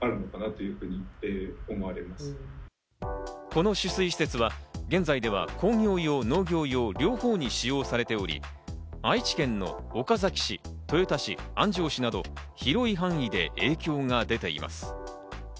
この取水施設は、現在では工業用、農業用両方に使用されており、愛知県の岡崎市、豊田市、安城市など広い範囲で影響が出ています。